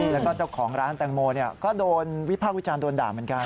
แล้วก็เจ้าของร้านแตงโมก็โดนวิภาควิจารณ์โดนด่าเหมือนกัน